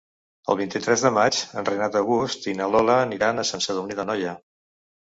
El vint-i-tres de maig en Renat August i na Lola aniran a Sant Sadurní d'Anoia.